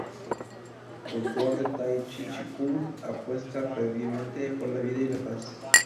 Cultor del Tai Chi-Chi Kung apuesta fervientemente por la vida y la paz.